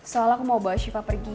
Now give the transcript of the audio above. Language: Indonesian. soalnya aku mau bawa syifa pergi